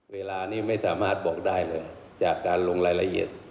เวลานี้ไม่สามารถบอกได้เลยจากการลงรายละเอียด